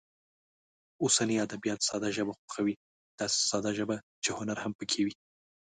اوسني ادبیات ساده ژبه خوښوي، داسې ساده ژبه چې هنر هم پکې وي.